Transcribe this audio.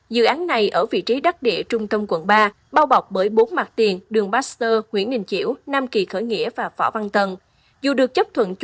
dự án này ở vị trí đắc địa trung tâm quận ba bao bọc bởi bốn mặt tiền đường baxter nguyễn đình chiểu nam kỳ khởi nghĩa và phỏ văn tần